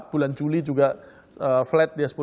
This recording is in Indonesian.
bulan juli juga flat dia sepuluh empat